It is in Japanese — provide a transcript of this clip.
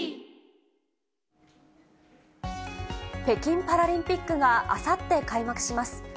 北京パラリンピックがあさって開幕します。